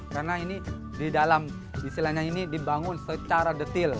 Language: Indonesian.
karena ini di dalam istilahnya ini dibangun secara detail